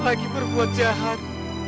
om lagi berbuat jahat